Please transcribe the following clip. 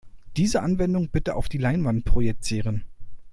Diese Anwendung bitte auf die Leinwand projizieren.